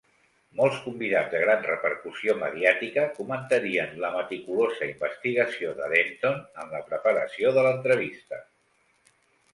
Molts convidats de gran repercussió mediàtica comentarien la meticulosa investigació de Denton en la preparació de l'entrevista.